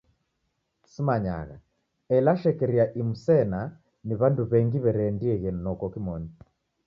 Simanyagha, ela shekeria imu sena ni w'andu w'engi w'ereendieghe noko kimonu.